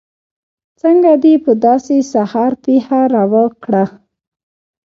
څنګه دې په داسې سهار پېښه راوکړه.